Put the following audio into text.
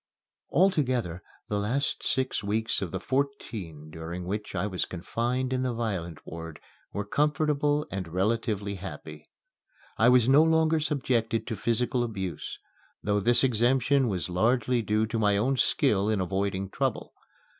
Altogether the last six weeks of the fourteen during which I was confined in the violent ward were comfortable and relatively happy. I was no longer subjected to physical abuse, though this exemption was largely due to my own skill in avoiding trouble.